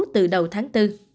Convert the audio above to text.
từ đầu tháng bốn